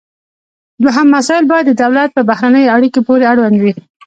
دوهم مسایل باید د دولت په بهرنیو اړیکو پورې اړوند وي